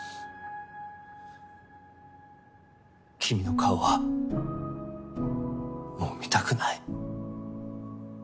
君の顔はもう見たくない。